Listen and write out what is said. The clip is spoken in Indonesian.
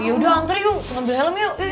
yaudah antri yuk ngambil helm yuk